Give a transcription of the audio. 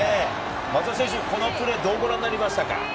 松田選手はこのプレー、どうご覧になりましたか？